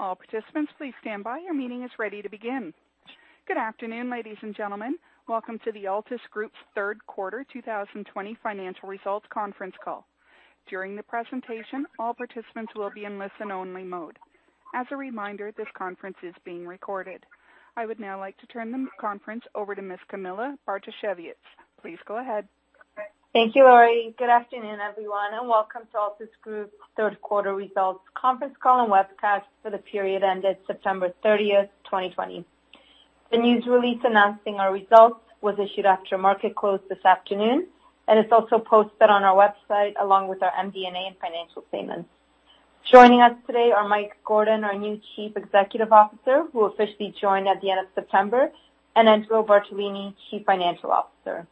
Good afternoon, ladies and gentlemen. Welcome to the Altus Group's third quarter 2020 financial results conference call. During the presentation, all participants will be in listen-only mode. As a reminder, this conference is being recorded. I would now like to turn the conference over to Ms. Camilla Bartosiewicz. Please go ahead. Thank you, Laurie. Good afternoon, everyone, and welcome to Altus Group's third quarter results conference call and webcast for the period ended September 30th, 2020. The news release announcing our results was issued after market close this afternoon, and it's also posted on our website, along with our MD&A and financial statements. Joining us today are Mike Gordon, our new Chief Executive Officer, who officially joined at the end of September, and Angelo Bartolini, Chief Financial Officer.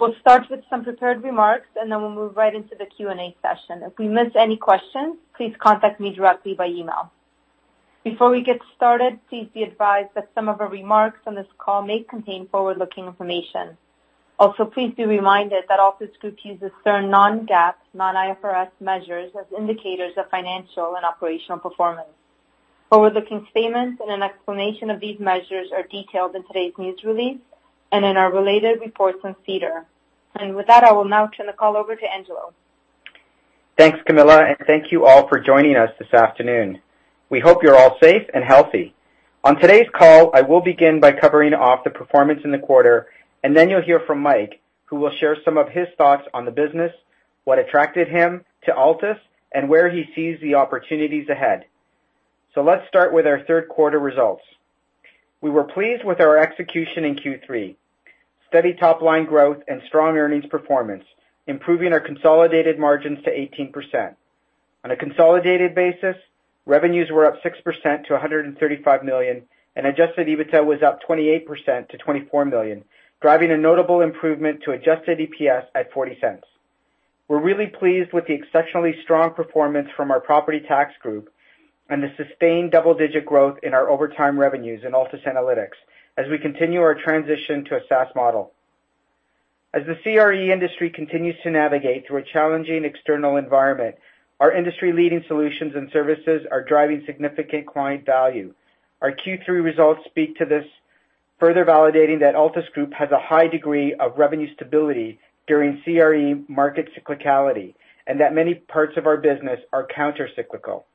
We'll start with some prepared remarks, and then we'll move right into the Q&A session. If we miss any questions, please contact me directly by email. Before we get started, please be advised that some of our remarks on this call may contain forward-looking information. Please be reminded that Altus Group uses certain non-GAAP, non-IFRS measures as indicators of financial and operational performance. Forward-looking statements and an explanation of these measures are detailed in today's news release and in our related reports on SEDAR. With that, I will now turn the call over to Angelo. Thanks, Camilla, and thank you all for joining us this afternoon. We hope you're all safe and healthy. On today's call, I will begin by covering off the performance in the quarter, and then you'll hear from Mike, who will share some of his thoughts on the business, what attracted him to Altus, and where he sees the opportunities ahead. Let's start with our third quarter results. We were pleased with our execution in Q3. Steady top-line growth and strong earnings performance, improving our consolidated margins to 18%. On a consolidated basis, revenues were up 6% to 135 million, and Adjusted EBITDA was up 28% to 24 million, driving a notable improvement to Adjusted EPS at 0.40. We're really pleased with the exceptionally strong performance from our property tax group and the sustained double-digit growth in Over Time revenues in Altus Analytics as we continue our transition to a SaaS model. As the CRE industry continues to navigate through a challenging external environment, our industry-leading solutions and services are driving significant client value. Our Q3 results speak to this, further validating that Altus Group has a high degree of revenue stability during CRE market cyclicality, and that many parts of our business are counter-cyclical.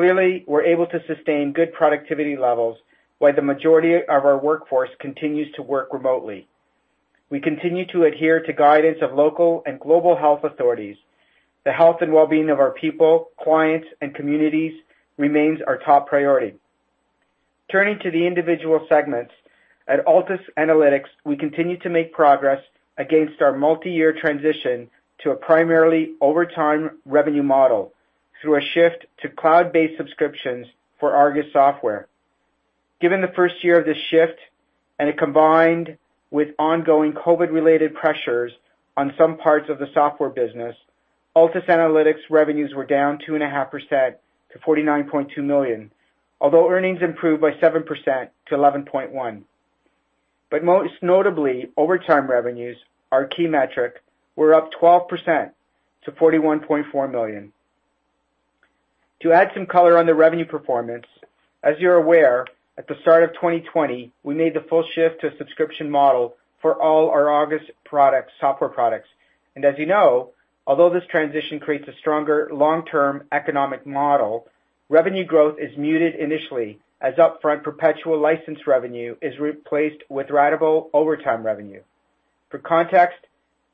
Clearly, we're able to sustain good productivity levels while the majority of our workforce continues to work remotely. We continue to adhere to guidance of local and global health authorities. The health and well-being of our people, clients, and communities remains our top priority. Turning to the individual segments, at Altus Analytics, we continue to make progress against our multi-year transition to a Over Time revenue model through a shift to cloud-based subscriptions for ARGUS software. Given the first year of this shift and it combined with ongoing COVID-related pressures on some parts of the software business, Altus Analytics revenues were down 2.5% to 49.2 million. Earnings improved by 7% to 11.1 million. Most Over Time revenues, our key metric, were up 12% to 41.4 million. To add some color on the revenue performance, as you're aware, at the start of 2020, we made the full shift to a subscription model for all our ARGUS software products. As you know, although this transition creates a stronger long-term economic model, revenue growth is muted initially as upfront perpetual license revenue is replaced with Over Time revenue. For context,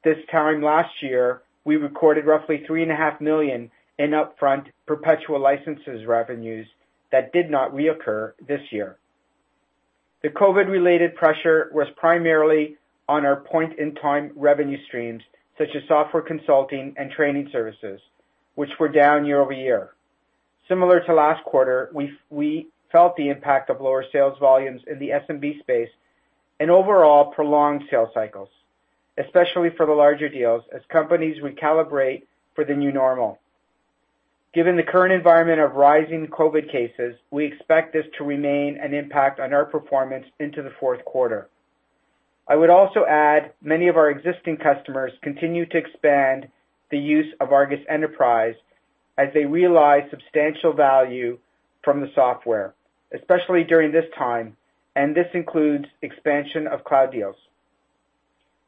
this time last year, we recorded roughly 3.5 million in upfront perpetual licenses revenues that did not reoccur this year. The COVID-related pressure was primarily on our point-in-time revenue streams, such as software consulting and training services, which were down year-over-year. Similar to last quarter, we felt the impact of lower sales volumes in the SMB space and overall prolonged sales cycles, especially for the larger deals as companies recalibrate for the new normal. Given the current environment of rising COVID cases, we expect this to remain an impact on our performance into the fourth quarter. I would also add many of our existing customers continue to expand the use of ARGUS Enterprise as they realize substantial value from the software, especially during this time, and this includes expansion of cloud deals.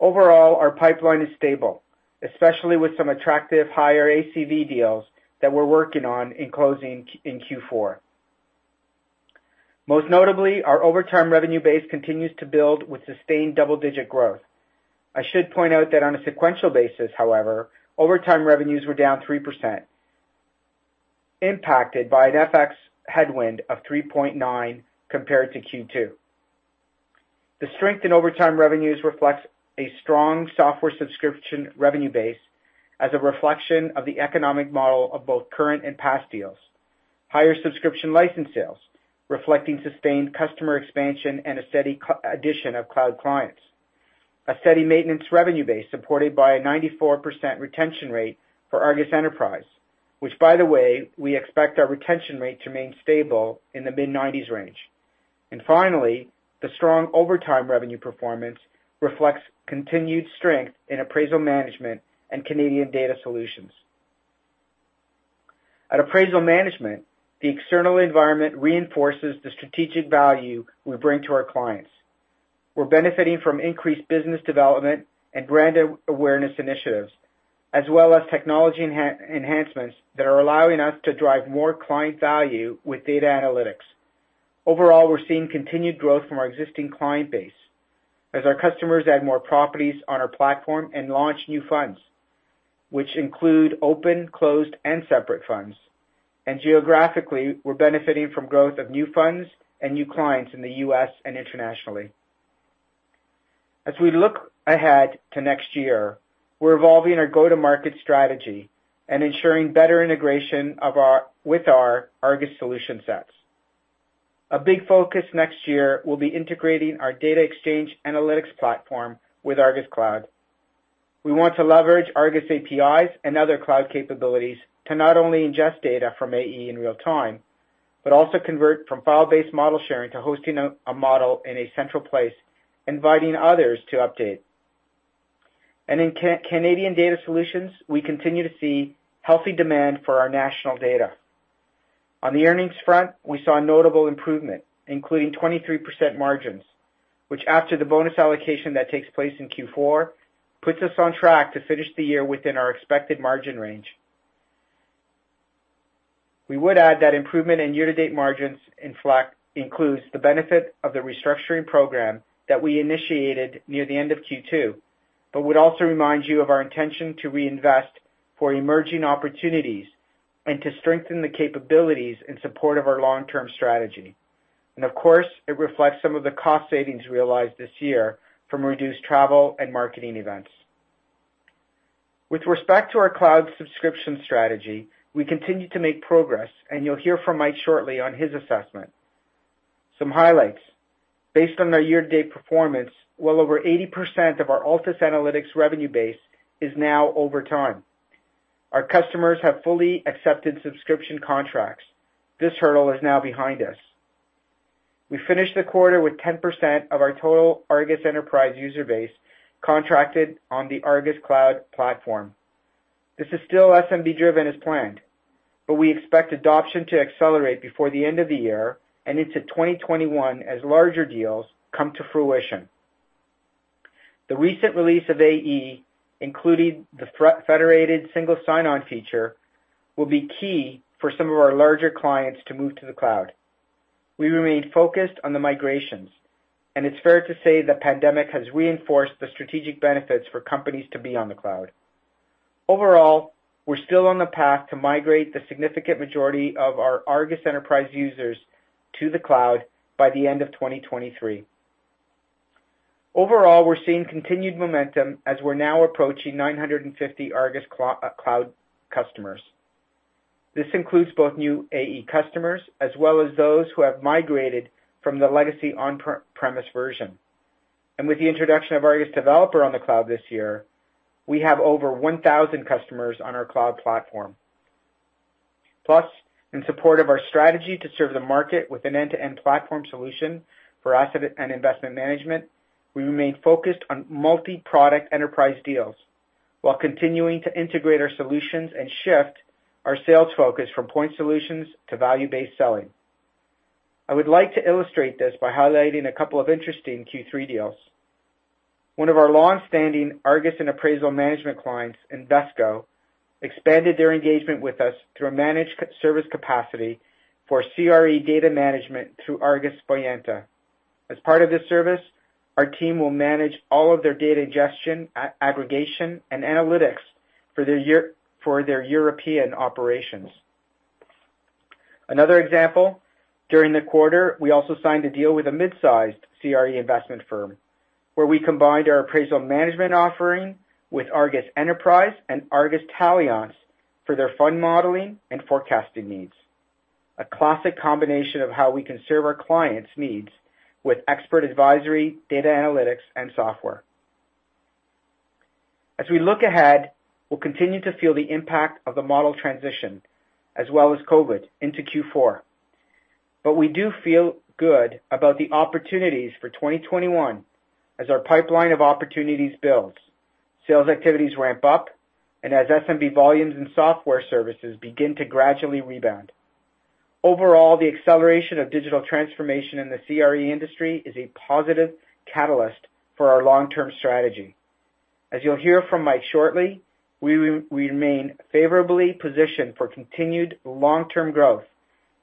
Overall, our pipeline is stable, especially with some attractive higher ACV deals that we're working on in closing in Q4. Most notably, Over Time revenue base continues to build with sustained double-digit growth. I should point out that on a sequential basis, Over Time revenues were down 3%, impacted by an FX headwind of 3.9% compared to Q2. The strength Over Time revenues reflects a strong software subscription revenue base as a reflection of the economic model of both current and past deals. Higher subscription license sales reflecting sustained customer expansion and a steady addition of cloud clients. A steady maintenance revenue base supported by a 94% retention rate for ARGUS Enterprise, which by the way, we expect our retention rate to remain stable in the mid-90s range. Finally, the strong Over Time revenue performance reflects continued strength in appraisal management and Canadian Data Solutions. At appraisal management, the external environment reinforces the strategic value we bring to our clients. We're benefiting from increased business development and brand awareness initiatives, as well as technology enhancements that are allowing us to drive more client value with data analytics. Overall, we're seeing continued growth from our existing client base as our customers add more properties on our platform and launch new funds, which include open, closed, and separate funds. Geographically, we're benefiting from growth of new funds and new clients in the U.S. and internationally. As we look ahead to next year, we're evolving our go-to-market strategy and ensuring better integration with our ARGUS solution sets. A big focus next year will be integrating our data exchange analytics platform with ARGUS Cloud. We want to leverage ARGUS APIs and other cloud capabilities to not only ingest data from AE in real time, but also convert from file-based model sharing to hosting a model in a central place, inviting others to update. In Canadian Data Solutions, we continue to see healthy demand for our national data. On the earnings front, we saw a notable improvement, including 23% margins, which after the bonus allocation that takes place in Q4, puts us on track to finish the year within our expected margin range. We would add that improvement in year-to-date margins includes the benefit of the restructuring program that we initiated near the end of Q2, would also remind you of our intention to reinvest for emerging opportunities and to strengthen the capabilities in support of our long-term strategy. Of course, it reflects some of the cost savings realized this year from reduced travel and marketing events. With respect to our cloud subscription strategy, we continue to make progress, and you'll hear from Mike shortly on his assessment. Some highlights. Based on our year-to-date performance, well over 80% of our Altus Analytics revenue base is now Over Time. Our customers have fully accepted subscription contracts. This hurdle is now behind us. We finished the quarter with 10% of our total ARGUS Enterprise user base contracted on the ARGUS Cloud platform. This is still SMB driven as planned, but we expect adoption to accelerate before the end of the year and into 2021 as larger deals come to fruition. The recent release of AE, including the federated single sign-on feature, will be key for some of our larger clients to move to the cloud. We remain focused on the migrations. It's fair to say the pandemic has reinforced the strategic benefits for companies to be on the cloud. Overall, we're still on the path to migrate the significant majority of our ARGUS Enterprise users to the cloud by the end of 2023. Overall, we're seeing continued momentum as we're now approaching 950 ARGUS Cloud customers. This includes both new AE customers, as well as those who have migrated from the legacy on-premise version. With the introduction of ARGUS Developer on the cloud this year, we have over 1,000 customers on our cloud platform. Plus, in support of our strategy to serve the market with an end-to-end platform solution for asset and investment management, we remain focused on multi-product enterprise deals while continuing to integrate our solutions and shift our sales focus from point solutions to value-based selling. I would like to illustrate this by highlighting a couple of interesting Q3 deals. One of our longstanding ARGUS and appraisal management clients, Invesco, expanded their engagement with us through a managed service capacity for CRE data management through ARGUS Voyanta. As part of this service, our team will manage all of their data ingestion, aggregation, and analytics for their European operations. Another example, during the quarter, we also signed a deal with a mid-sized CRE investment firm, where we combined our appraisal management offering with ARGUS Enterprise and ARGUS Taliance for their fund modeling and forecasting needs. A classic combination of how we can serve our clients' needs with expert advisory, data analytics, and software. As we look ahead, we'll continue to feel the impact of the model transition, as well as COVID into Q4. We do feel good about the opportunities for 2021 as our pipeline of opportunities builds, sales activities ramp up, and as SMB volumes and software services begin to gradually rebound. Overall, the acceleration of digital transformation in the CRE industry is a positive catalyst for our long-term strategy. As you'll hear from Mike shortly, we remain favorably positioned for continued long-term growth,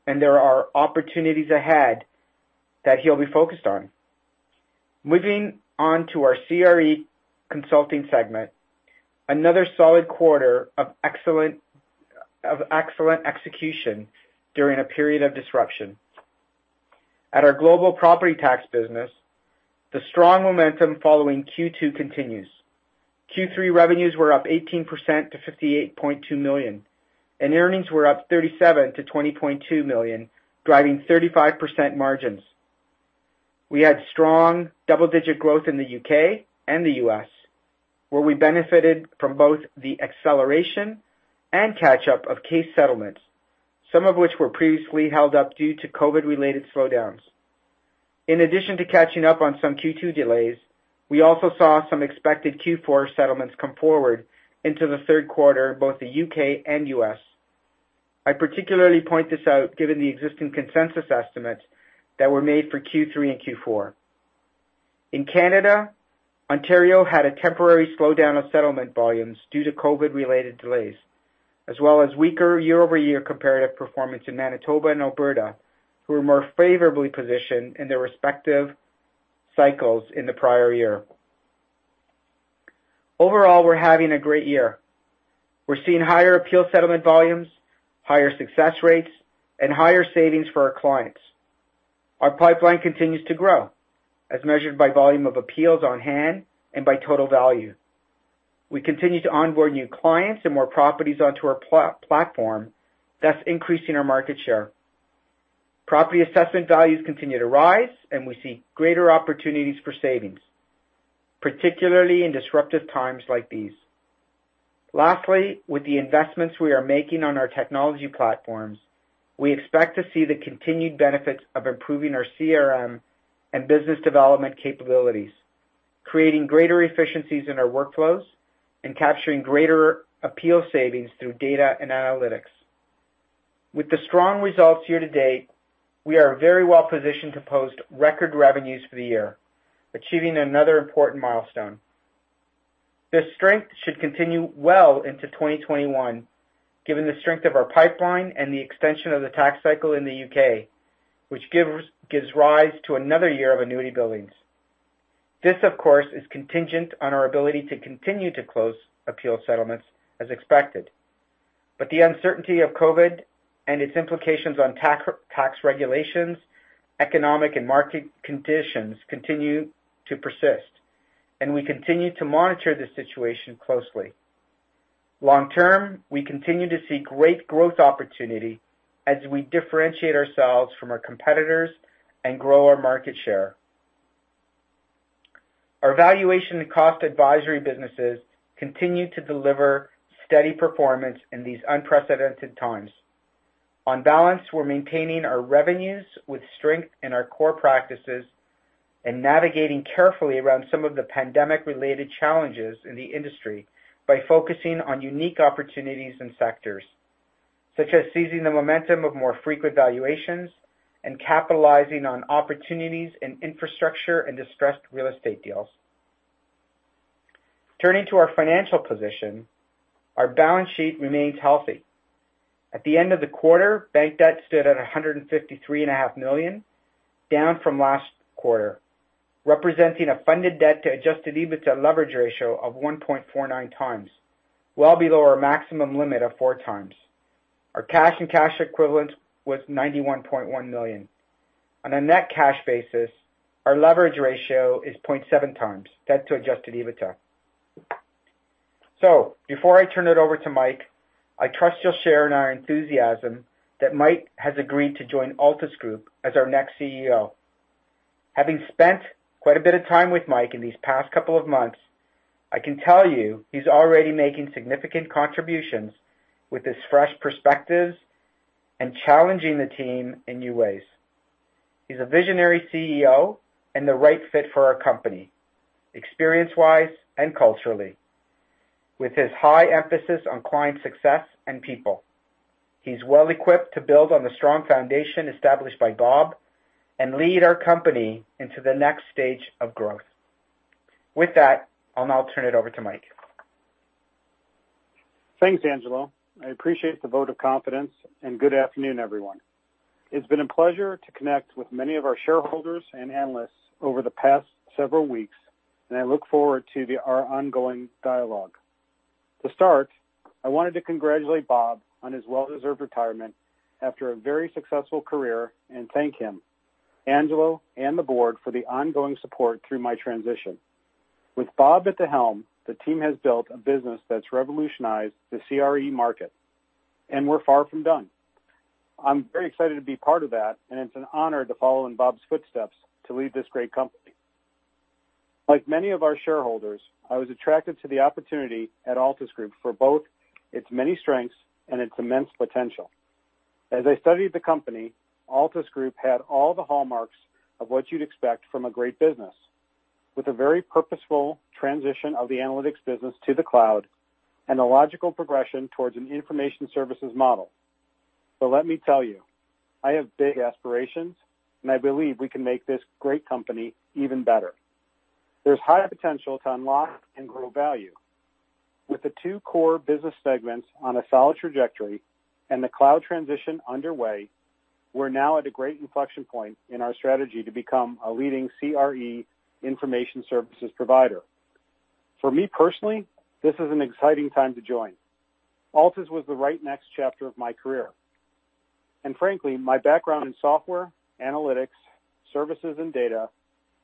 and there are opportunities ahead that he'll be focused on. Moving on to our CRE consulting segment, another solid quarter of excellent execution during a period of disruption. At our global property tax business, the strong momentum following Q2 continues. Q3 revenues were up 18% to 58.2 million, and earnings were up 37% to 20.2 million, driving 35% margins. We had strong double-digit growth in the U.K. and the U.S. Where we benefited from both the acceleration and catch-up of case settlements, some of which were previously held up due to COVID-related slowdowns. In addition to catching up on some Q2 delays, we also saw some expected Q4 settlements come forward into the third quarter, both the U.K. and U.S. I particularly point this out given the existing consensus estimates that were made for Q3 and Q4. In Canada, Ontario had a temporary slowdown of settlement volumes due to COVID-related delays, as well as weaker year-over-year comparative performance in Manitoba and Alberta, who were more favorably positioned in their respective cycles in the prior year. Overall, we're having a great year. We're seeing higher appeal settlement volumes, higher success rates, and higher savings for our clients. Our pipeline continues to grow as measured by volume of appeals on hand and by total value. We continue to onboard new clients and more properties onto our platform, thus increasing our market share. Property assessment values continue to rise, and we see greater opportunities for savings, particularly in disruptive times like these. Lastly, with the investments we are making on our technology platforms, we expect to see the continued benefits of improving our CRM and business development capabilities, creating greater efficiencies in our workflows, and capturing greater appeal savings through data and analytics. With the strong results year to date, we are very well positioned to post record revenues for the year, achieving another important milestone. This strength should continue well into 2021, given the strength of our pipeline and the extension of the tax cycle in the U.K., which gives rise to another year of annuity billings. This, of course, is contingent on our ability to continue to close appeal settlements as expected. The uncertainty of COVID and its implications on tax regulations, economic and market conditions continue to persist. We continue to monitor the situation closely. Long term, we continue to see great growth opportunity as we differentiate ourselves from our competitors and grow our market share. Our valuation and cost advisory businesses continue to deliver steady performance in these unprecedented times. On balance, we're maintaining our revenues with strength in our core practices and navigating carefully around some of the pandemic related challenges in the industry by focusing on unique opportunities and sectors, such as seizing the momentum of more frequent valuations and capitalizing on opportunities in infrastructure and distressed real estate deals. Turning to our financial position, our balance sheet remains healthy. At the end of the quarter, bank debt stood at 153.5 million, down from last quarter, representing a funded debt to adjusted EBITDA leverage ratio of 1.49x, well below our maximum limit of 4x. Our cash and cash equivalent was 91.1 million. On a net cash basis, our leverage ratio is 0.7x debt to Adjusted EBITDA. Before I turn it over to Mike, I trust you'll share in our enthusiasm that Mike has agreed to join Altus Group as our next CEO. Having spent quite a bit of time with Mike in these past couple of months, I can tell you he's already making significant contributions with his fresh perspectives and challenging the team in new ways. He's a visionary CEO and the right fit for our company, experience-wise and culturally. With his high emphasis on client success and people. He's well equipped to build on the strong foundation established by Bob and lead our company into the next stage of growth. With that, I'll now turn it over to Mike. Thanks, Angelo. I appreciate the vote of confidence. Good afternoon, everyone. It's been a pleasure to connect with many of our shareholders and analysts over the past several weeks, and I look forward to our ongoing dialogue. To start, I wanted to congratulate Bob on his well-deserved retirement after a very successful career and thank him, Angelo, and the board for the ongoing support through my transition. With Bob at the helm, the team has built a business that's revolutionized the CRE market, and we're far from done. I'm very excited to be part of that, and it's an honor to follow in Bob's footsteps to lead this great company. Like many of our shareholders, I was attracted to the opportunity at Altus Group for both its many strengths and its immense potential. As I studied the company, Altus Group had all the hallmarks of what you'd expect from a great business. With a very purposeful transition of the analytics business to the cloud and a logical progression towards an information services model. Let me tell you, I have big aspirations, and I believe we can make this great company even better. There's high potential to unlock and grow value. With the two core business segments on a solid trajectory and the cloud transition underway, we're now at a great inflection point in our strategy to become a leading CRE information services provider. For me personally, this is an exciting time to join. Altus was the right next chapter of my career. Frankly, my background in software, analytics, services, and data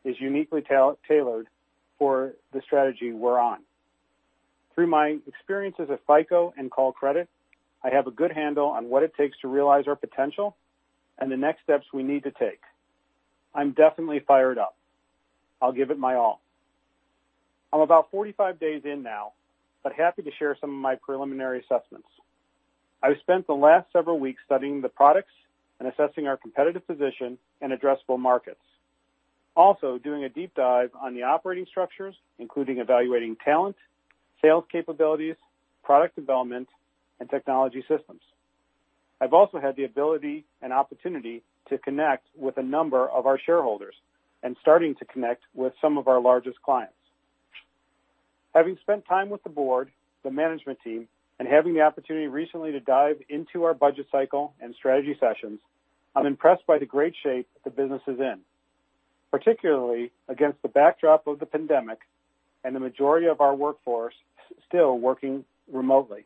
is uniquely tailored for the strategy we're on. Through my experiences at FICO and Callcredit, I have a good handle on what it takes to realize our potential and the next steps we need to take. I'm definitely fired up. I'll give it my all. I'm about 45 days in now, but happy to share some of my preliminary assessments. I've spent the last several weeks studying the products and assessing our competitive position in addressable markets. Also doing a deep dive on the operating structures, including evaluating talent, sales capabilities, product development, and technology systems. I've also had the ability and opportunity to connect with a number of our shareholders and starting to connect with some of our largest clients. Having spent time with the board, the management team, and having the opportunity recently to dive into our budget cycle and strategy sessions, I'm impressed by the great shape that the business is in, particularly against the backdrop of the pandemic and the majority of our workforce still working remotely.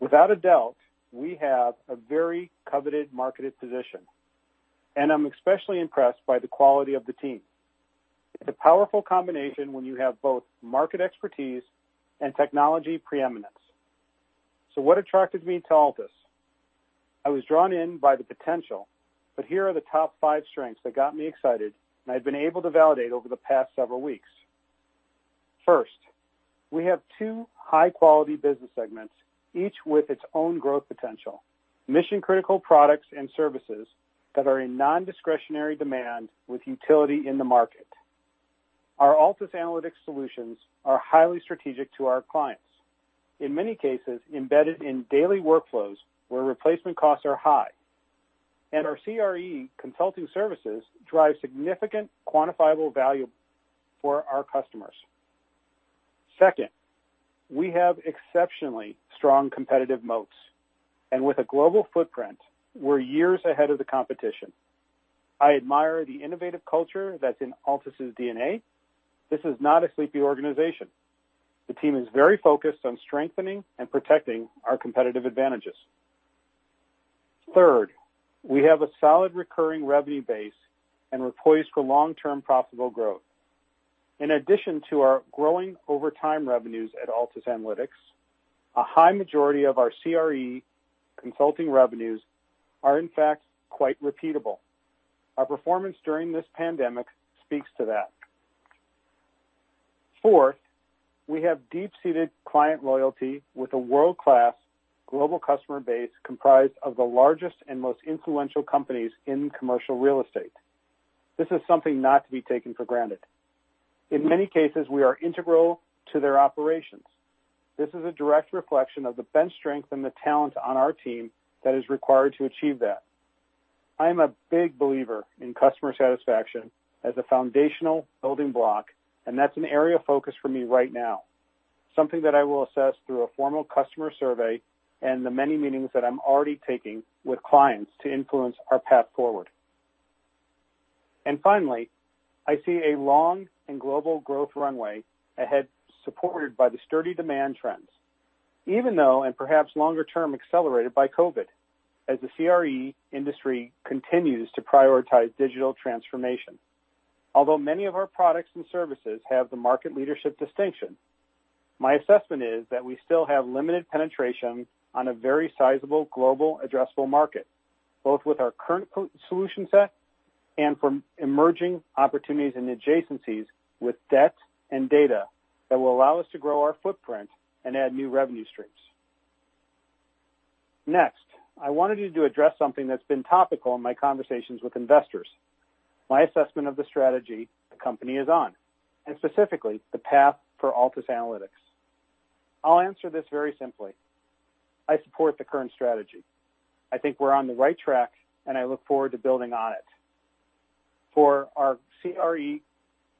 Without a doubt, we have a very coveted marketed position, and I'm especially impressed by the quality of the team. It's a powerful combination when you have both market expertise and technology preeminence. What attracted me to Altus? I was drawn in by the potential, but here are the top five strengths that got me excited, and I've been able to validate over the past several weeks. First, we have two high-quality business segments, each with its own growth potential. Mission-critical products and services that are in non-discretionary demand with utility in the market. Our Altus Analytics solutions are highly strategic to our clients, in many cases embedded in daily workflows where replacement costs are high. Our CRE consulting services drive significant quantifiable value for our customers. Second, we have exceptionally strong competitive moats, and with a global footprint, we're years ahead of the competition. I admire the innovative culture that's in Altus's DNA. This is not a sleepy organization. The team is very focused on strengthening and protecting our competitive advantages. Third, we have a solid recurring revenue base and we're poised for long-term profitable growth. In addition to our growing Over Time revenues at Altus Analytics, a high majority of our CRE consulting revenues are in fact quite repeatable. Our performance during this pandemic speaks to that. Fourth, we have deep-seated client loyalty with a world-class global customer base comprised of the largest and most influential companies in commercial real estate. This is something not to be taken for granted. In many cases, we are integral to their operations. This is a direct reflection of the bench strength and the talent on our team that is required to achieve that. I am a big believer in customer satisfaction as a foundational building block, and that's an area of focus for me right now. Something that I will assess through a formal customer survey and the many meetings that I'm already taking with clients to influence our path forward. Finally, I see a long and global growth runway ahead, supported by the sturdy demand trends, even though and perhaps longer term, accelerated by COVID, as the CRE industry continues to prioritize digital transformation. Although many of our products and services have the market leadership distinction, my assessment is that we still have limited penetration on a very sizable global addressable market, both with our current solution set and from emerging opportunities in adjacencies with debt and data that will allow us to grow our footprint and add new revenue streams. I wanted to address something that's been topical in my conversations with investors, my assessment of the strategy the company is on, and specifically the path for Altus Analytics. I'll answer this very simply. I support the current strategy. I think we're on the right track, and I look forward to building on it. For our CRE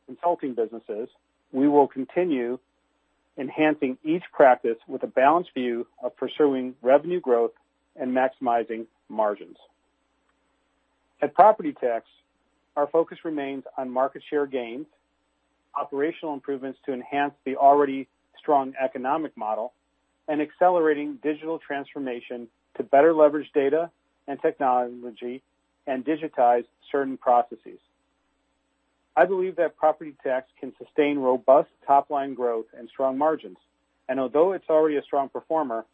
consulting businesses, we will continue enhancing each practice with a balanced view of pursuing revenue growth and maximizing margins. At Property Tax, our focus remains on market share gains, operational improvements to enhance the already strong economic model, and accelerating digital transformation to better leverage data and technology and digitize certain processes. I believe that Property Tax can sustain robust top-line growth and strong margins, and although it's already a strong performer,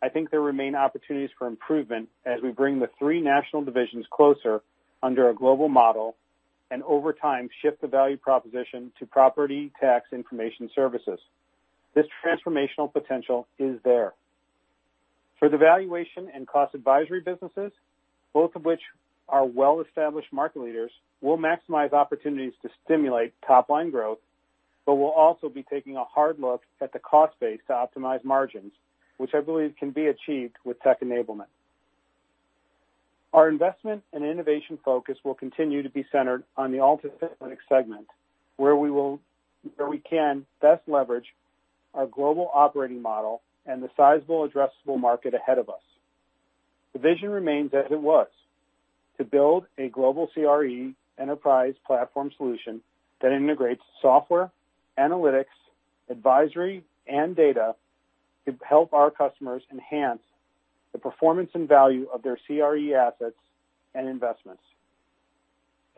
I think there remain opportunities for improvement as we bring the three national divisions closer under a global model, and Over Time, shift the value proposition to property tax information services. This transformational potential is there. For the Valuation and Cost Advisory businesses, both of which are well-established market leaders, we'll maximize opportunities to stimulate top-line growth, but we'll also be taking a hard look at the cost base to optimize margins, which I believe can be achieved with tech enablement. Our investment and innovation focus will continue to be centered on the Altus Analytics segment, where we can best leverage our global operating model and the sizable addressable market ahead of us. The vision remains as it was, to build a global CRE enterprise platform solution that integrates software, analytics, advisory, and data to help our customers enhance the performance and value of their CRE assets and investments.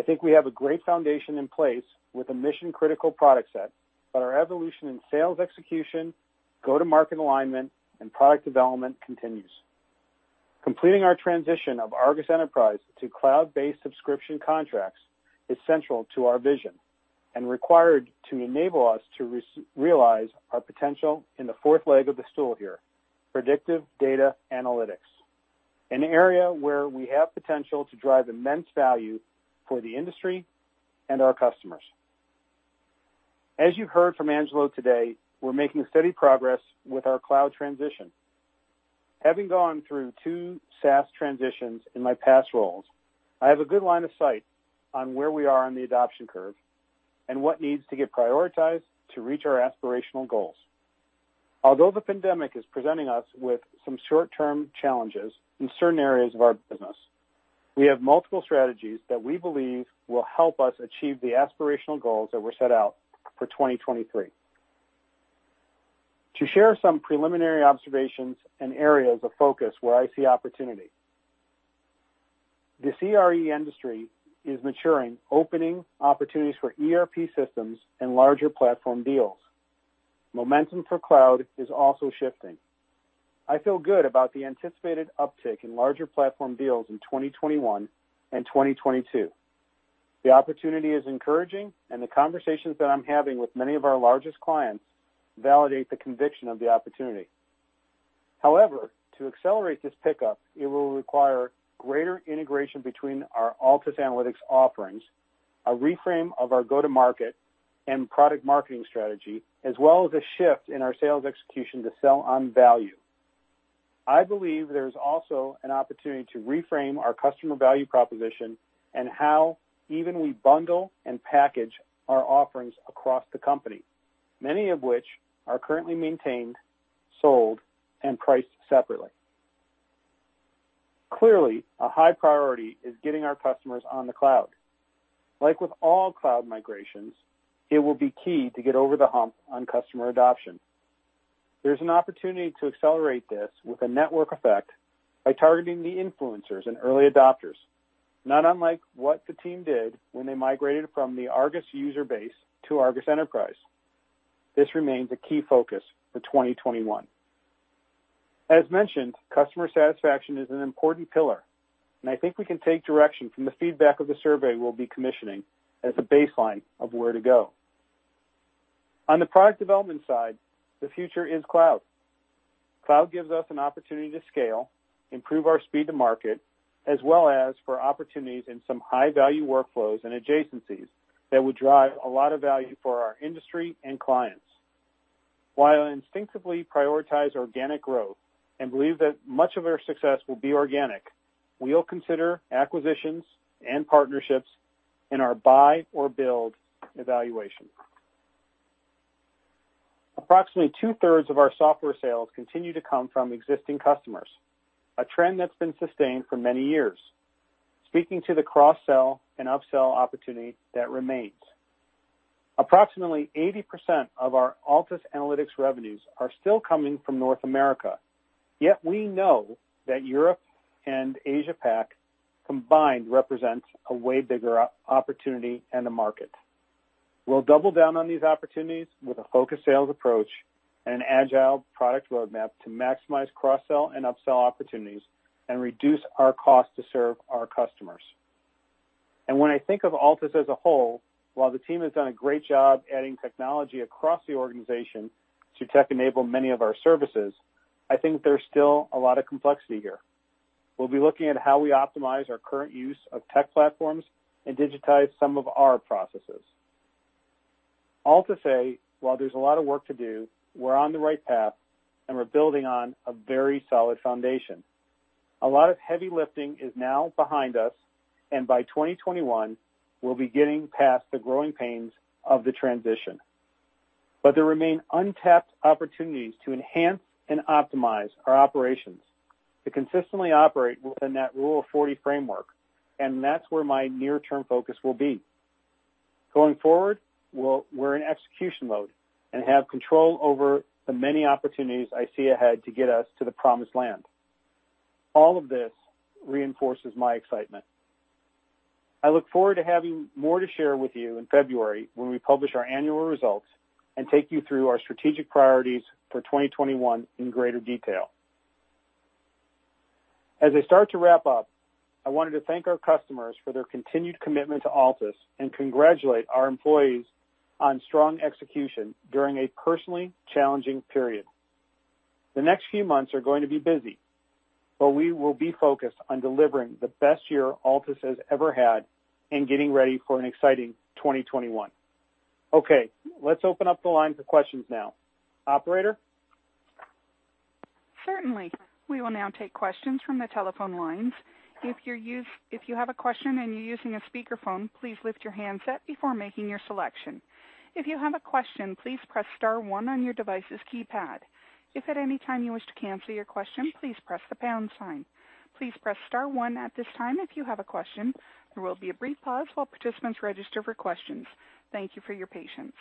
I think we have a great foundation in place with a mission-critical product set, but our evolution in sales execution, go-to-market alignment, and product development continues. Completing our transition of ARGUS Enterprise to cloud-based subscription contracts is central to our vision and required to enable us to realize our potential in the fourth leg of the stool here, predictive data analytics, an area where we have potential to drive immense value for the industry and our customers. As you heard from Angelo today, we're making steady progress with our cloud transition. Having gone through two SaaS transitions in my past roles, I have a good line of sight on where we are on the adoption curve and what needs to get prioritized to reach our aspirational goals. Although the pandemic is presenting us with some short-term challenges in certain areas of our business, we have multiple strategies that we believe will help us achieve the aspirational goals that were set out for 2023. To share some preliminary observations and areas of focus where I see opportunity. The CRE industry is maturing, opening opportunities for ERP systems and larger platform deals. Momentum for cloud is also shifting. I feel good about the anticipated uptick in larger platform deals in 2021 and 2022. The opportunity is encouraging, and the conversations that I'm having with many of our largest clients validate the conviction of the opportunity. However, to accelerate this pickup, it will require greater integration between our Altus Analytics offerings, a reframe of our go-to-market and product marketing strategy, as well as a shift in our sales execution to sell on value. I believe there's also an opportunity to reframe our customer value proposition and how even we bundle and package our offerings across the company, many of which are currently maintained, sold, and priced separately. Clearly, a high priority is getting our customers on the cloud. Like with all cloud migrations, it will be key to get over the hump on customer adoption. There's an opportunity to accelerate this with a network effect by targeting the influencers and early adopters, not unlike what the team did when they migrated from the ARGUS user base to ARGUS Enterprise. This remains a key focus for 2021. As mentioned, customer satisfaction is an important pillar, and I think we can take direction from the feedback of the survey we'll be commissioning as a baseline of where to go. On the product development side, the future is cloud. Cloud gives us an opportunity to scale, improve our speed to market, as well as for opportunities in some high-value workflows and adjacencies that will drive a lot of value for our industry and clients. While I instinctively prioritize organic growth and believe that much of our success will be organic, we will consider acquisitions and partnerships in our buy or build evaluation. Approximately two-thirds of our software sales continue to come from existing customers, a trend that's been sustained for many years, speaking to the cross-sell and up-sell opportunity that remains. Approximately 80% of our Altus Analytics revenues are still coming from North America. We know that Europe and Asia-Pac combined represents a way bigger opportunity and a market. We'll double down on these opportunities with a focused sales approach and an agile product roadmap to maximize cross-sell and up-sell opportunities and reduce our cost to serve our customers. When I think of Altus as a whole, while the team has done a great job adding technology across the organization to tech-enable many of our services, I think there's still a lot of complexity here. We'll be looking at how we optimize our current use of tech platforms and digitize some of our processes. All to say, while there's a lot of work to do, we're on the right path, and we're building on a very solid foundation. A lot of heavy lifting is now behind us, and by 2021, we'll be getting past the growing pains of the transition. There remain untapped opportunities to enhance and optimize our operations to consistently operate within that Rule of 40 framework, and that's where my near-term focus will be. Going forward, we're in execution mode and have control over the many opportunities I see ahead to get us to the promised land. All of this reinforces my excitement. I look forward to having more to share with you in February when we publish our annual results and take you through our strategic priorities for 2021 in greater detail. As I start to wrap up, I wanted to thank our customers for their continued commitment to Altus and congratulate our employees on strong execution during a personally challenging period. The next few months are going to be busy, but we will be focused on delivering the best year Altus has ever had and getting ready for an exciting 2021. Okay. Let's open up the line for questions now. Operator? Certainly, we will now take questions from a telephone lines. If you have a question and you're using a speakerphone, please lift your handset before making your selection. If you have a question, please press star one on your device's keypad. If at any time you wish to cancel your question, please press the pound sign. Please press star one at this time if you have a question. There will be a brief pause while participants register for questions. Thank you for your patience.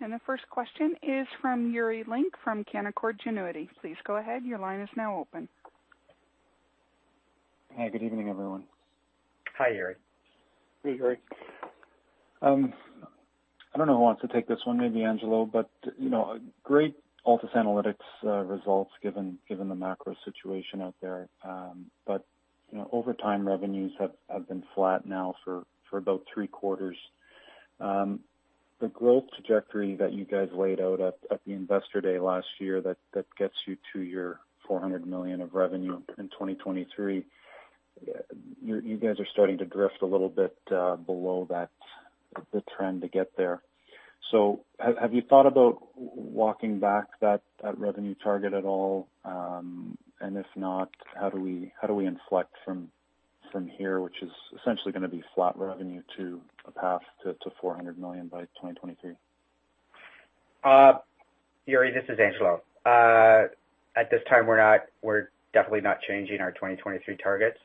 The first question is from Yuri Lynk from Canaccord Genuity. Please go ahead. Your line is now open. Hi. Good evening, everyone. Hi, Yuri. Hey, Yuri. I don't know who wants to take this one, maybe Angelo. Great Altus Analytics results given the macro situation out there. Over Time, revenues have been flat now for about three quarters. The growth trajectory that you guys laid out at the investor day last year, that gets you to your 400 million of revenue in 2023. You guys are starting to drift a little bit below the trend to get there. Have you thought about walking back that revenue target at all? If not, how do we inflect from here, which is essentially going to be flat revenue to a path to 400 million by 2023? Yuri, this is Angelo. At this time, we're definitely not changing our 2023 targets.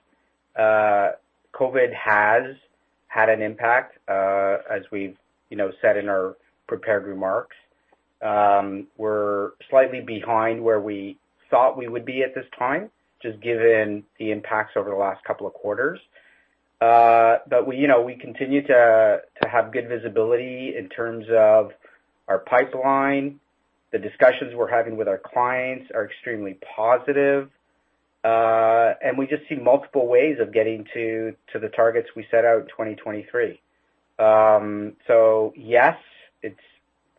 COVID has had an impact. As we've said in our prepared remarks, we're slightly behind where we thought we would be at this time, just given the impacts over the last couple of quarters. We continue to have good visibility in terms of our pipeline. The discussions we're having with our clients are extremely positive. We just see multiple ways of getting to the targets we set out in 2023. Yes,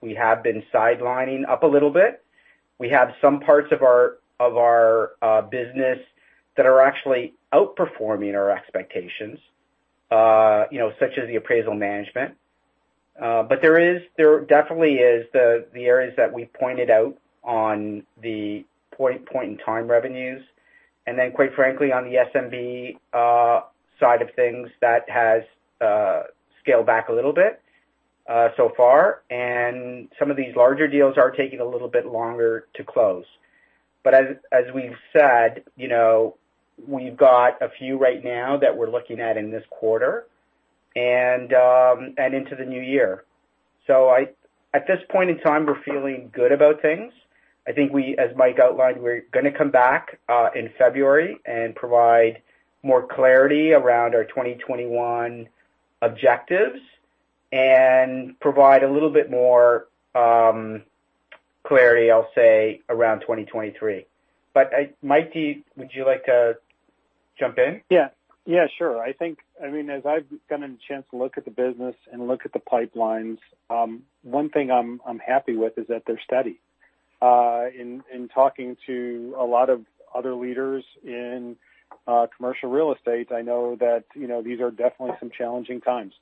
we have been sidelining up a little bit. We have some parts of our business that are actually outperforming our expectations, such as the appraisal management. There definitely is the areas that we pointed out on the point in time revenues, and then quite frankly, on the SMB side of things, that has scaled back a little bit so far, and some of these larger deals are taking a little bit longer to close. As we've said, we've got a few right now that we're looking at in this quarter and into the new year. At this point in time, we're feeling good about things. I think we, as Mike outlined, we're going to come back in February and provide more clarity around our 2021 objectives and provide a little bit more clarity, I'll say, around 2023. Mike, would you like to jump in? Yeah, sure. As I've gotten a chance to look at the business and look at the pipelines, one thing I'm happy with is that they're steady. In talking to a lot of other leaders in commercial real estate, I know that these are definitely some challenging times.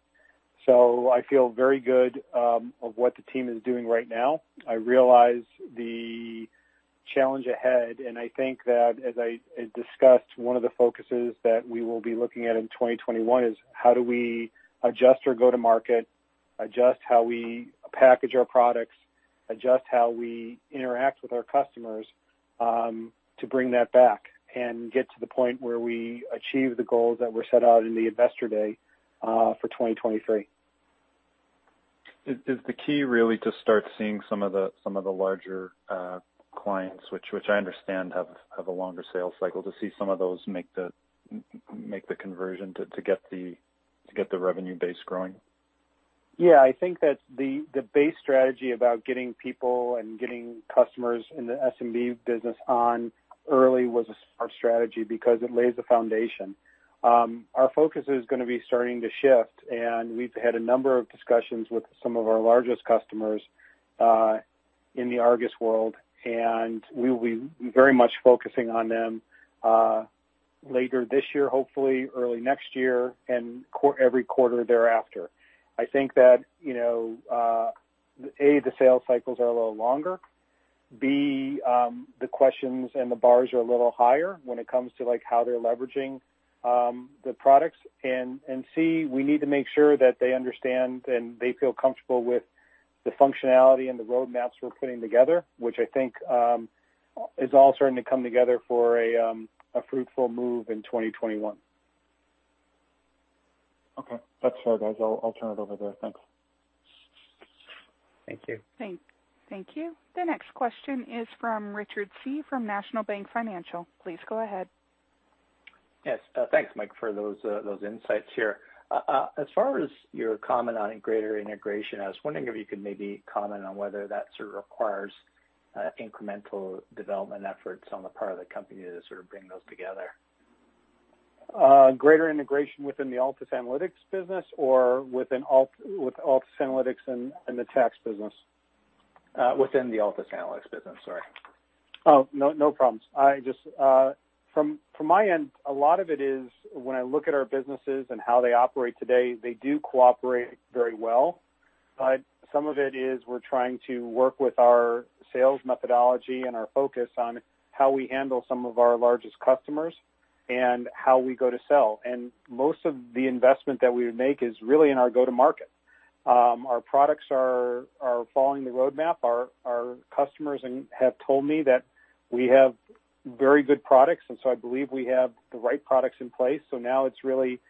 I feel very good of what the team is doing right now. I realize the challenge ahead, and I think that as I discussed, one of the focuses that we will be looking at in 2021 is how do we adjust our go-to market, adjust how we package our products, adjust how we interact with our customers to bring that back and get to the point where we achieve the goals that were set out in the investor day for 2023. Is the key really to start seeing some of the larger clients, which I understand have a longer sales cycle, to see some of those make the conversion to get the revenue base growing? Yeah, I think that the base strategy about getting people and getting customers in the SMB business on early was a smart strategy because it lays the foundation. Our focus is going to be starting to shift, and we've had a number of discussions with some of our largest customers in the ARGUS world, and we will be very much focusing on them later this year, hopefully early next year, and every quarter thereafter. I think that, A, the sales cycles are a little longer, B, the questions and the bars are a little higher when it comes to how they're leveraging the products, and C, we need to make sure that they understand and they feel comfortable with the functionality and the roadmaps we're putting together, which I think is all starting to come together for a fruitful move in 2021. Okay. That's fair, guys. I'll turn it over there. Thanks. Thank you. Thank you. The next question is from Richard Tse from National Bank Financial. Please go ahead. Yes. Thanks, Mike, for those insights here. As far as your comment on greater integration, I was wondering if you could maybe comment on whether that sort of requires incremental development efforts on the part of the company to sort of bring those together. Greater integration within the Altus Analytics business or with Altus Analytics and the tax business? Within the Altus Analytics business, sorry. No problems. From my end, a lot of it is when I look at our businesses and how they operate today, they do cooperate very well. Some of it is we're trying to work with our sales methodology and our focus on how we handle some of our largest customers and how we go to sell. Most of the investment that we would make is really in our go-to market. Our products are following the roadmap. Our customers have told me that we have very good products. I believe we have the right products in place. Now it's really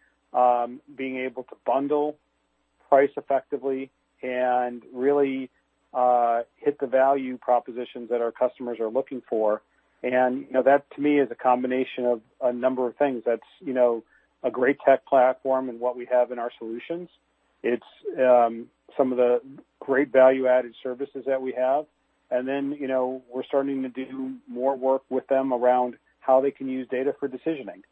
being able to bundle price effectively and really hit the value propositions that our customers are looking for. That to me is a combination of a number of things. That's a great tech platform in what we have in our solutions. It's some of the great value-added services that we have. Then we're starting to do more work with them around how they can use data for decisioning.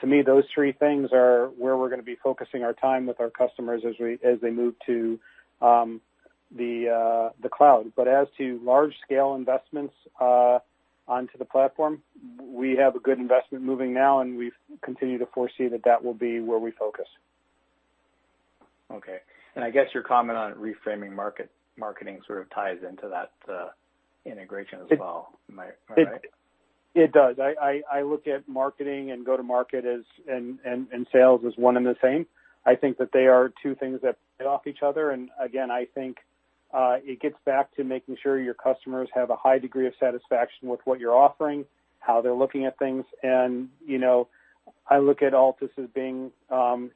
To me, those three things are where we're going to be focusing our time with our customers as they move to the cloud. As to large-scale investments onto the platform, we have a good investment moving now, and we continue to foresee that that will be where we focus. Okay. I guess your comment on reframing marketing sort of ties into that integration as well. Am I right? It does. I look at marketing and go-to-market and sales as one and the same. I think that they are two things that feed off each other. Again, I think it gets back to making sure your customers have a high degree of satisfaction with what you're offering, how they're looking at things. I look at Altus as being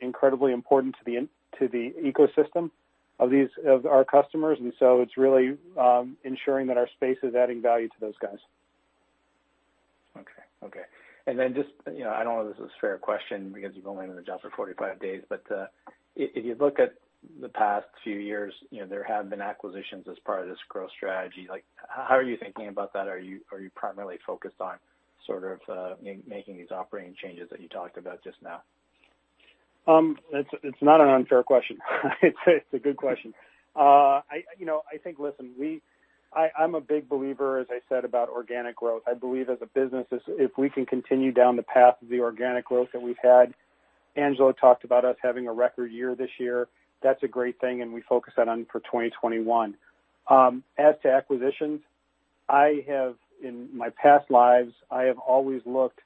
incredibly important to the ecosystem of our customers. It's really ensuring that our space is adding value to those guys. Okay. Just, I don't know if this is a fair question because you've only been on the job for 45 days, but if you look at the past few years, there have been acquisitions as part of this growth strategy. How are you thinking about that? Are you primarily focused on sort of making these operating changes that you talked about just now? It's not an unfair question. It's a good question. I think, listen, I'm a big believer, as I said, about organic growth. I believe as a business, if we can continue down the path of the organic growth that we've had. Angelo talked about us having a record year this year. That's a great thing, and we focus that on for 2021. As to acquisitions, in my past lives, I have always looked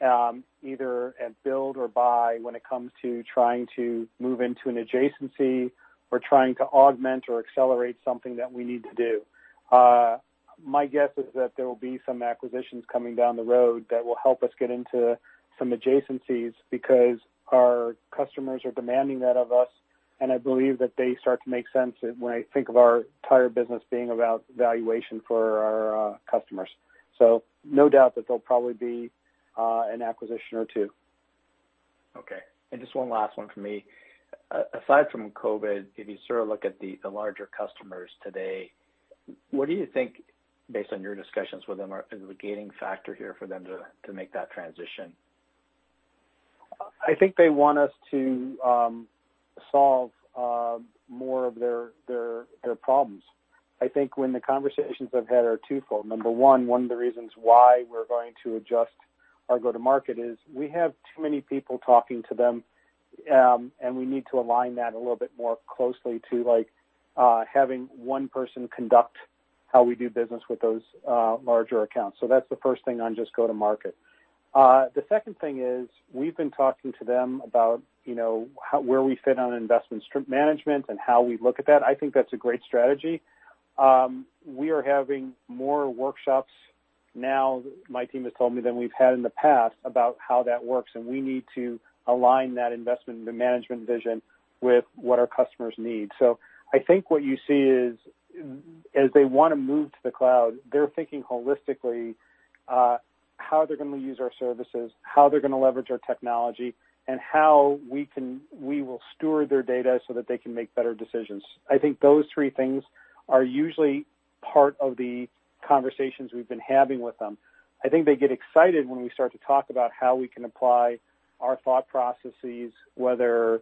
either at build or buy when it comes to trying to move into an adjacency or trying to augment or accelerate something that we need to do. My guess is that there will be some acquisitions coming down the road that will help us get into some adjacencies because our customers are demanding that of us, and I believe that they start to make sense when I think of our entire business being about valuation for our customers. No doubt that there'll probably be an acquisition or two. Okay. Just one last one from me. Aside from COVID, if you sort of look at the larger customers today, what do you think, based on your discussions with them, is the gaining factor here for them to make that transition? I think they want us to solve more of their problems. I think when the conversations I have had are twofold. Number 1, one of the reasons why we're going to adjust our go-to-market is we have too many people talking to them, and we need to align that a little bit more closely to having one person conduct how we do business with those larger accounts. That's the first thing on just go-to-market. The second thing is we've been talking to them about where we fit on investment management and how we look at that. I think that's a great strategy. We are having more workshops now, my team has told me, than we've had in the past about how that works, and we need to align that investment management vision with what our customers need. I think what you see is, as they want to move to the cloud, they're thinking holistically how they're going to use our services, how they're going to leverage our technology, and how we will steward their data so that they can make better decisions. I think those three things are usually part of the conversations we've been having with them. I think they get excited when we start to talk about how we can apply our thought processes, whether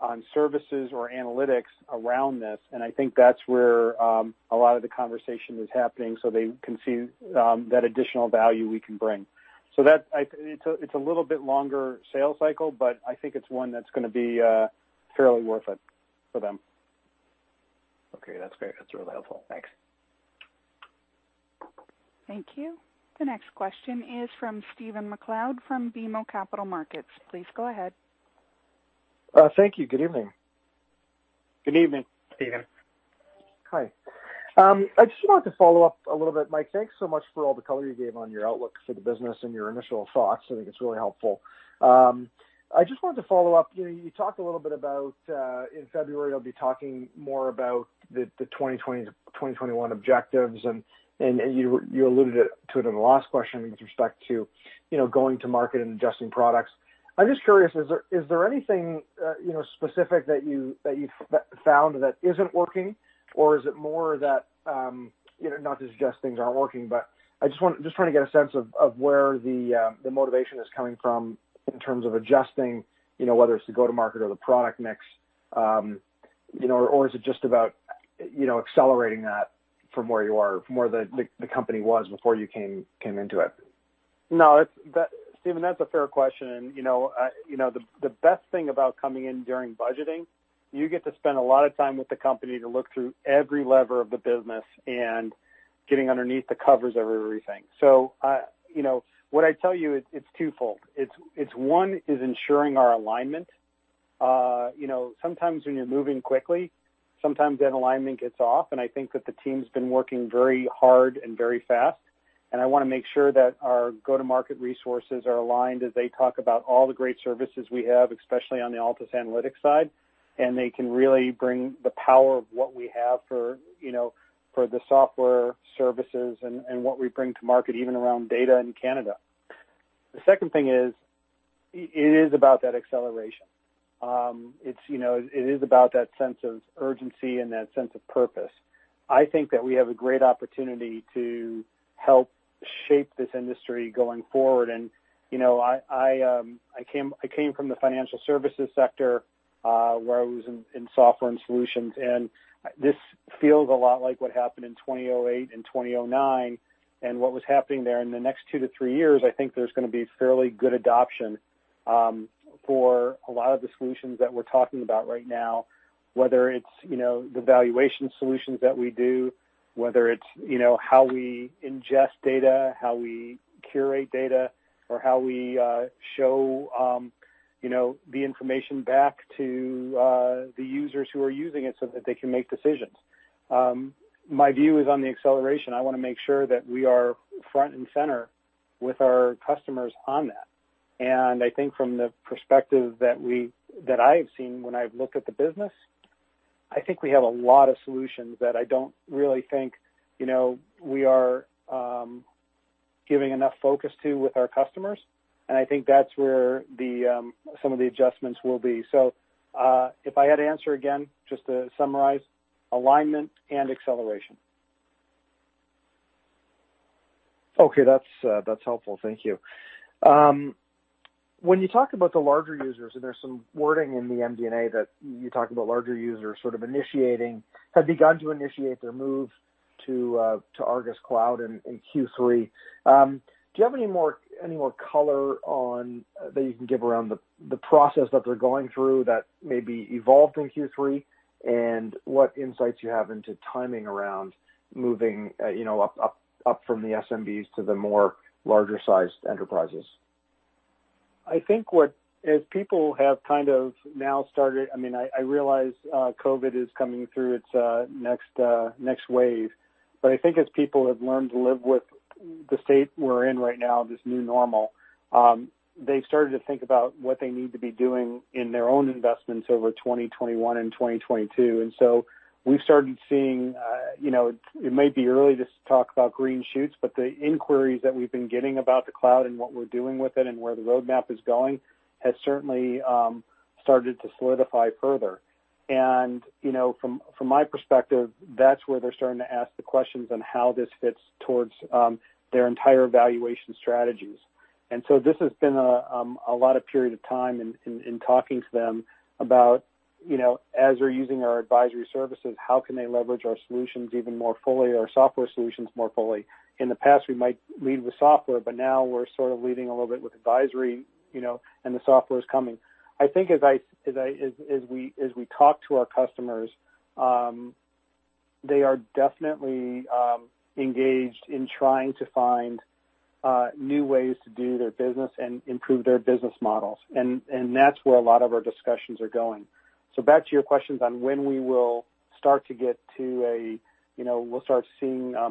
on services or analytics around this. I think that's where a lot of the conversation is happening so they can see that additional value we can bring. It's a little bit longer sales cycle, but I think it's one that's going to be fairly worth it for them. Okay, that's great. That's really helpful. Thanks. Thank you. The next question is from Stephen MacLeod from BMO Capital Markets. Please go ahead. Thank you. Good evening. Good evening, Stephen. Hi. I just wanted to follow up a little bit, Mike. Thanks so much for all the color you gave on your outlook for the business and your initial thoughts. I think it's really helpful. I just wanted to follow up. You talked a little bit about, in February, you'll be talking more about the 2020 to 2021 objectives, and you alluded to it in the last question with respect to going to market and adjusting products. I'm just curious, is there anything specific that you found that isn't working? Is it more that, not to suggest things aren't working, but I'm just trying to get a sense of where the motivation is coming from in terms of adjusting, whether it's the go-to-market or the product mix. Is it just about accelerating that from where the company was before you came into it? No, Stephen, that's a fair question. The best thing about coming in during budgeting, you get to spend a lot of time with the company to look through every lever of the business and getting underneath the covers of everything. What I'd tell you, it's twofold. It's one is ensuring our alignment. Sometimes when you're moving quickly, sometimes that alignment gets off, and I think that the team's been working very hard and very fast. I want to make sure that our go-to-market resources are aligned as they talk about all the great services we have, especially on the Altus Analytics side. They can really bring the power of what we have for the software services and what we bring to market, even around data in Canada. The second thing is, it is about that acceleration. It is about that sense of urgency and that sense of purpose. I think that we have a great opportunity to help shape this industry going forward. I came from the financial services sector, where I was in software and solutions, and this feels a lot like what happened in 2008 and 2009 and what was happening there. In the next two to three years, I think there's going to be fairly good adoption for a lot of the solutions that we're talking about right now, whether it's the valuation solutions that we do, whether it's how we ingest data, how we curate data, or how we show the information back to the users who are using it so that they can make decisions. My view is on the acceleration. I want to make sure that we are front and center with our customers on that. I think from the perspective that I have seen when I've looked at the business, I think we have a lot of solutions that I don't really think we are giving enough focus to with our customers, and I think that's where some of the adjustments will be. If I had to answer again, just to summarize, alignment and acceleration. Okay, that's helpful. Thank you. When you talk about the larger users, and there's some wording in the MD&A that you talk about larger users sort of initiating, have begun to initiate their move to ARGUS Cloud in Q3. Do you have any more color on, that you can give around the process that they're going through that maybe evolved in Q3, and what insights you have into timing around moving up from the SMBs to the more larger-sized enterprises? I think what, as people have kind of now started I realize COVID is coming through its next wave. I think as people have learned to live with the state we're in right now, this new normal, they've started to think about what they need to be doing in their own investments over 2021 and 2022. We've started seeing, it may be early to talk about green shoots, but the inquiries that we've been getting about the cloud and what we're doing with it and where the roadmap is going has certainly started to solidify further. From my perspective, that's where they're starting to ask the questions on how this fits towards their entire valuation strategies. This has been a lot of period of time in talking to them about, as they're using our advisory services, how can they leverage our solutions even more fully, our software solutions more fully? In the past, we might lead with software, but now we're sort of leading a little bit with advisory, and the software's coming. I think as we talk to our customers, they are definitely engaged in trying to find new ways to do their business and improve their business models. That's where a lot of our discussions are going. Back to your questions on when we'll start seeing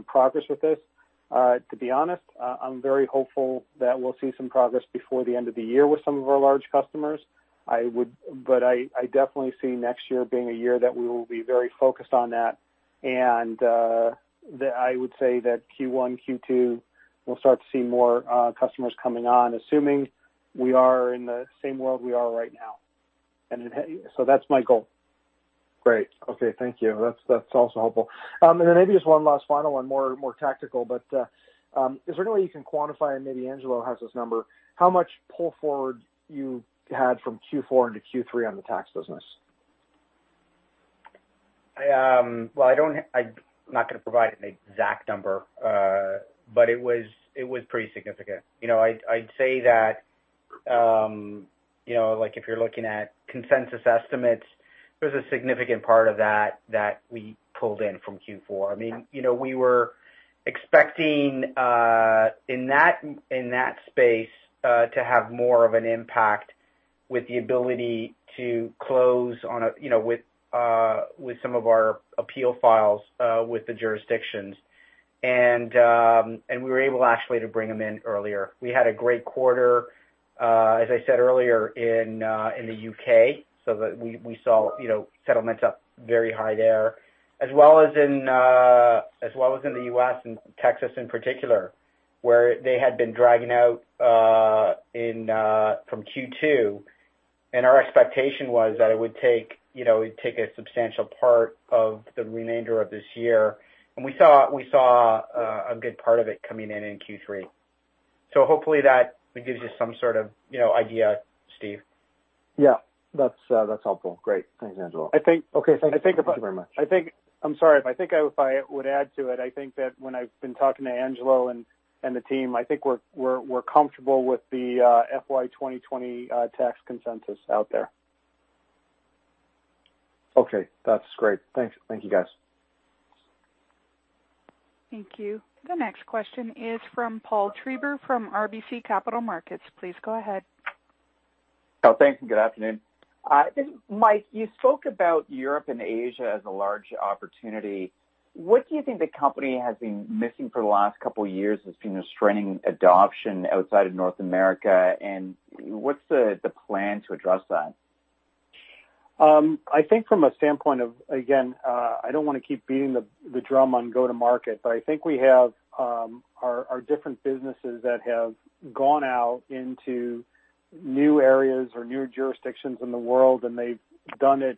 progress with this. To be honest, I'm very hopeful that we'll see some progress before the end of the year with some of our large customers. I definitely see next year being a year that we will be very focused on that. I would say that Q1, Q2, we'll start to see more customers coming on, assuming we are in the same world we are right now. That's my goal. Great. Okay. Thank you. That's also helpful. Then maybe just one last final one, more tactical, but is there any way you can quantify, and maybe Angelo has this number, how much pull forward you had from Q4 into Q3 on the tax business? I'm not going to provide an exact number, but it was pretty significant. I'd say that if you're looking at consensus estimates, there's a significant part of that that we pulled in from Q4. We were expecting in that space to have more of an impact with the ability to close with some of our appeal files with the jurisdictions. We were able, actually, to bring them in earlier. We had a great quarter, as I said earlier, in the U.K. We saw settlements up very high there, as well as in the U.S. and Texas in particular, where they had been dragging out from Q2. Our expectation was that it would take a substantial part of the remainder of this year. We saw a good part of it coming in in Q3. Hopefully that gives you some sort of idea, Steve. Yeah. That's helpful. Great. Thanks, Angelo. Okay. Thank you very much. I'm sorry. If I would add to it, I think that when I've been talking to Angelo and the team, I think we're comfortable with the FY 2020 tax consensus out there. Okay. That's great. Thank you, guys. Thank you. The next question is from Paul Treiber from RBC Capital Markets. Please go ahead. Oh, thanks, and good afternoon. Mike, you spoke about Europe and Asia as a large opportunity. What do you think the company has been missing for the last couple of years that's been restraining adoption outside of North America, and what's the plan to address that? I think from a standpoint of, again, I don't want to keep beating the drum on go to market, but I think we have our different businesses that have gone out into new areas or new jurisdictions in the world, and they've done it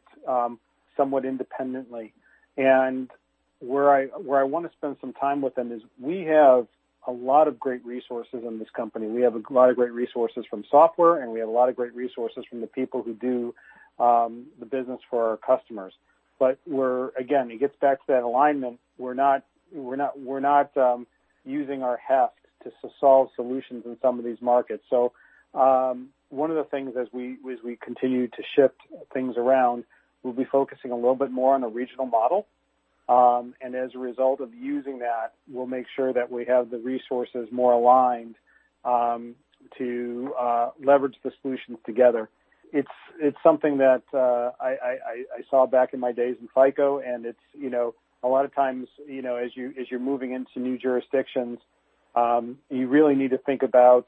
somewhat independently. Where I want to spend some time with them is we have a lot of great resources in this company. We have a lot of great resources from software, and we have a lot of great resources from the people who do the business for our customers. We're, again, it gets back to that alignment. We're not using our heft to solve solutions in some of these markets. One of the things as we continue to shift things around, we'll be focusing a little bit more on a regional model. As a result of using that, we'll make sure that we have the resources more aligned to leverage the solutions together. It's something that I saw back in my days in FICO, a lot of times as you're moving into new jurisdictions, you really need to think about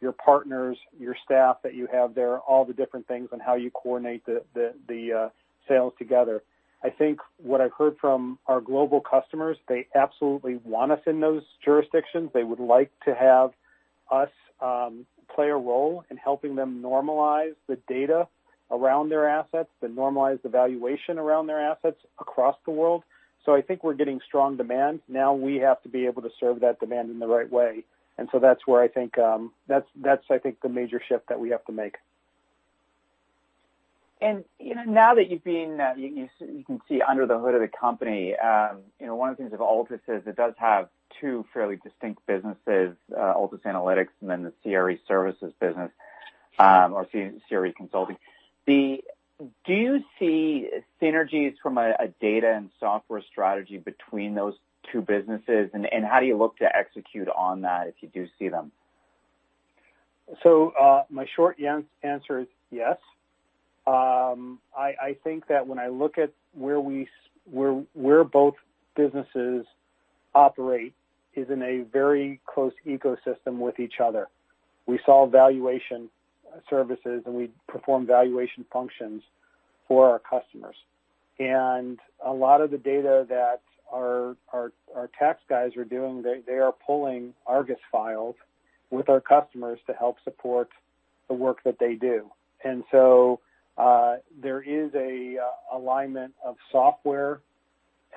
your partners, your staff that you have there, all the different things, and how you coordinate the sales together. I think what I've heard from our global customers, they absolutely want us in those jurisdictions. They would like to have us play a role in helping them normalize the data around their assets and normalize the valuation around their assets across the world. I think we're getting strong demand. Now we have to be able to serve that demand in the right way. So that's I think the major shift that we have to make. Now that you can see under the hood of the company, one of the things of Altus is it does have two fairly distinct businesses, Altus Analytics and then the CRE Services business or CRE Consulting. Do you see synergies from a data and software strategy between those two businesses? How do you look to execute on that if you do see them? My short answer is yes. I think that when I look at where both businesses operate is in a very close ecosystem with each other. We solve valuation services, and we perform valuation functions for our customers. A lot of the data that our tax guys are doing, they are pulling ARGUS files with our customers to help support the work that they do. There is an alignment of software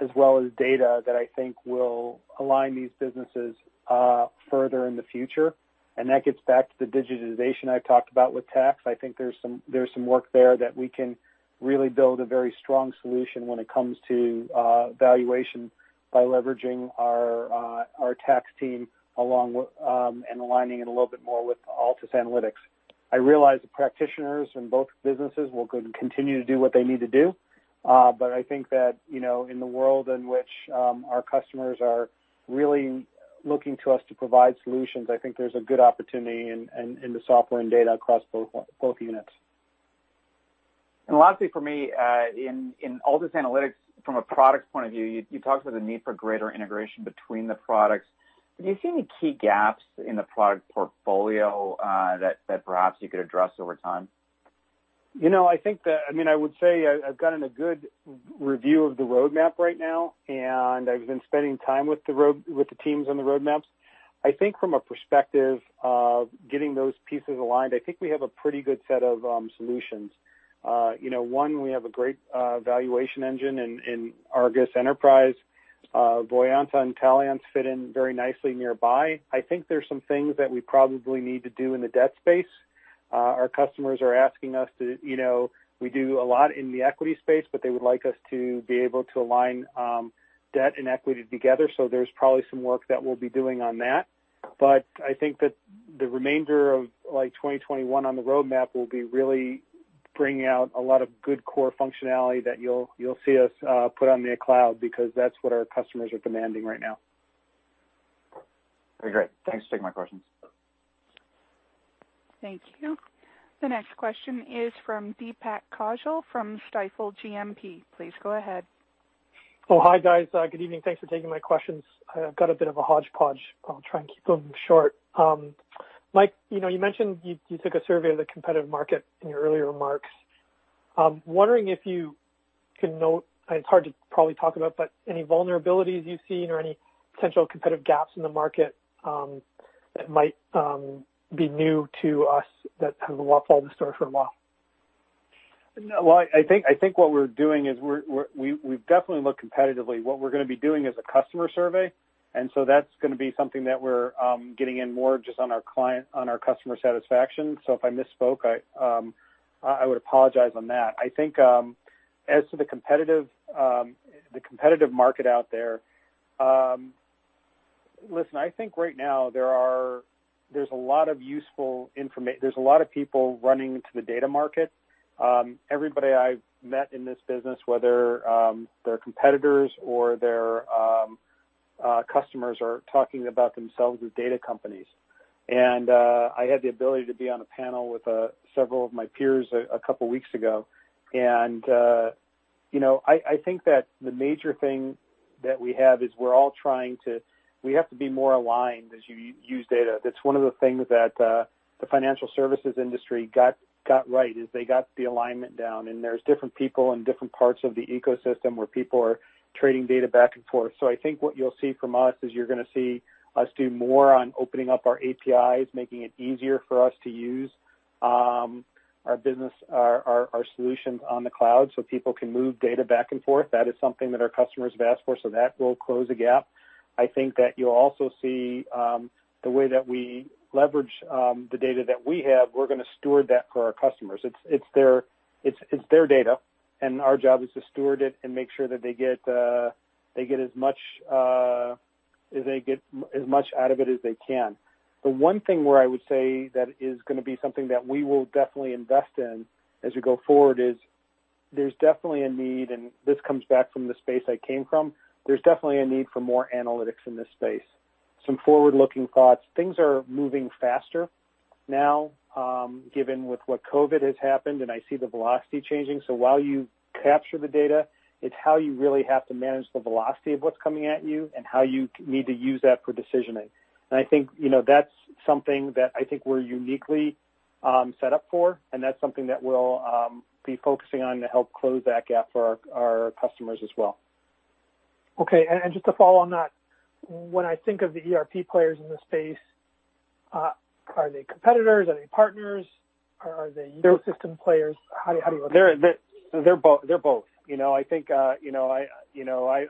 as well as data that I think will align these businesses further in the future. That gets back to the digitization I've talked about with tax. I think there's some work there that we can really build a very strong solution when it comes to valuation by leveraging our tax team and aligning it a little bit more with Altus Analytics. I realize the practitioners in both businesses will continue to do what they need to do. I think that in the world in which our customers are really looking to us to provide solutions, I think there's a good opportunity in the software and data across both units. Lastly for me, in Altus Analytics from a product point of view, you talked about the need for greater integration between the products. Do you see any key gaps in the product portfolio that perhaps you could address Over Time? I would say I've gotten a good review of the roadmap right now, and I've been spending time with the teams on the roadmaps. I think from a perspective of getting those pieces aligned, I think we have a pretty good set of solutions. One, we have a great valuation engine in ARGUS Enterprise. Voyanta and Taliance fit in very nicely nearby. I think there's some things that we probably need to do in the debt space. We do a lot in the equity space, but they would like us to be able to align debt and equity together. There's probably some work that we'll be doing on that. I think that the remainder of 2021 on the roadmap will be really bringing out a lot of good core functionality that you'll see us put on the cloud because that's what our customers are demanding right now. Very great. Thanks for taking my questions. Thank you. The next question is from Deepak Kaushal from Stifel GMP. Please go ahead. Oh, hi, guys. Good evening. Thanks for taking my questions. I've got a bit of a hodgepodge. I'll try and keep them short. Mike, you mentioned you took a survey of the competitive market in your earlier remarks. I'm wondering if you can note, and it's hard to probably talk about, but any vulnerabilities you've seen or any potential competitive gaps in the market that might be new to us that have fallen short for a while? Well, I think what we're doing is we've definitely looked competitively. What we're going to be doing is a customer survey, that's going to be something that we're getting in more just on our customer satisfaction. If I misspoke, I would apologize on that. I think as to the competitive market out there Listen, I think right now there's a lot of people running to the data market. Everybody I've met in this business, whether they're competitors or they're customers are talking about themselves as data companies. I had the ability to be on a panel with several of my peers a couple of weeks ago. I think that the major thing that we have is we have to be more aligned as you use data. That's one of the things that the financial services industry got right, is they got the alignment down, and there's different people in different parts of the ecosystem where people are trading data back and forth. I think what you'll see from us is you're going to see us do more on opening up our APIs, making it easier for us to use our solutions on the cloud so people can move data back and forth. That is something that our customers have asked for, so that will close a gap. I think that you'll also see the way that we leverage the data that we have. We're going to steward that for our customers. It's their data, and our job is to steward it and make sure that they get as much out of it as they can. The one thing where I would say that is going to be something that we will definitely invest in as we go forward is, there's definitely a need, and this comes back from the space I came from. There's definitely a need for more analytics in this space. Some forward-looking thoughts. Things are moving faster now, given with what COVID has happened, and I see the velocity changing. While you capture the data, it's how you really have to manage the velocity of what's coming at you and how you need to use that for decisioning. I think that's something that I think we're uniquely set up for, and that's something that we'll be focusing on to help close that gap for our customers as well. Okay. Just to follow on that, when I think of the ERP players in the space, are they competitors? Are they partners? Are they ecosystem players? How do you look at it? They're both.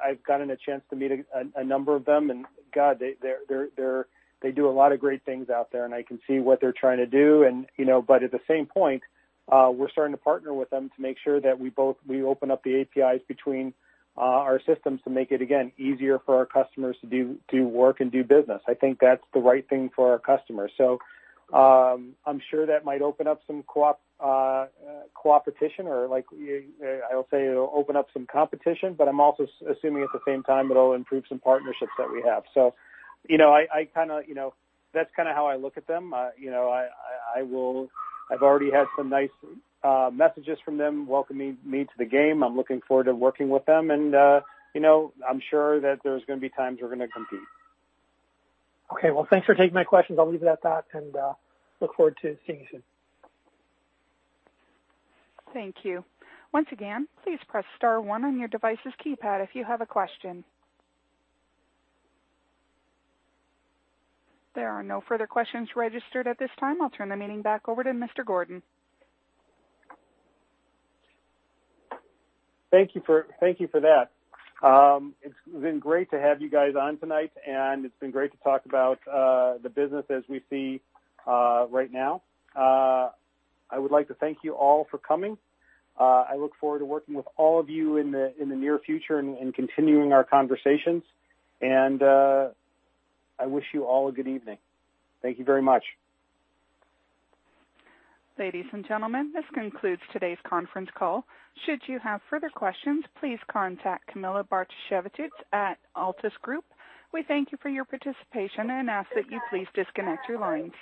I've gotten a chance to meet a number of them, God, they do a lot of great things out there, I can see what they're trying to do. At the same point, we're starting to partner with them to make sure that we open up the APIs between our systems to make it, again, easier for our customers to do work and do business. I think that's the right thing for our customers. I'm sure that might open up some coopetition, or I'll say it'll open up some competition, I'm also assuming at the same time it'll improve some partnerships that we have. That's kind of how I look at them. I've already had some nice messages from them welcoming me to the game. I'm looking forward to working with them, and I'm sure that there's going to be times we're going to compete. Okay. Well, thanks for taking my questions. I'll leave it at that and look forward to seeing you soon. Thank you. Once again, please press star one on your device's keypad if you have a question. There are no further questions registered at this time. I will turn the meeting back over to Mr. Gordon. Thank you for that. It's been great to have you guys on tonight, and it's been great to talk about the business as we see right now. I would like to thank you all for coming. I look forward to working with all of you in the near future and continuing our conversations, and I wish you all a good evening. Thank you very much. Ladies and gentlemen, this concludes today's conference call. Should you have further questions, please contact Camilla Bartosiewicz at Altus Group. We thank you for your participation and ask that you please disconnect your lines.